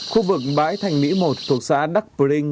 khu vực bãi thành mỹ một thuộc xã đắk bình